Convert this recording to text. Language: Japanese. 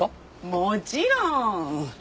もちろん！